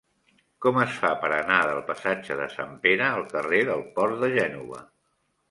Com es fa per anar del passatge de Sant Pere al carrer del Port de Gènova?